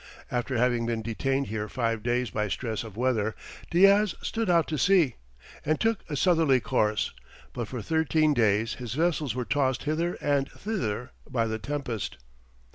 After having been detained here five days by stress of weather, Diaz stood out to sea, and took a southerly course, but for thirteen days his vessels were tossed hither and thither by the tempest.